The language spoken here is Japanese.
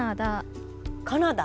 カナダ。